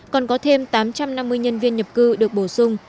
còn có thêm tám trăm năm mươi nhân viên nhập cư được bổ sung